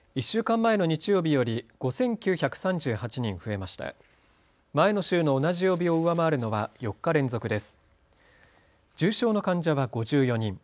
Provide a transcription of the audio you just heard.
前の週の同じ曜日を上回るのは４日連続です。